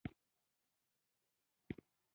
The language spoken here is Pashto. خوړل د دوبي سوړ والی راولي